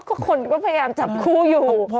ก็คนก็พยายามจับคู่อยู่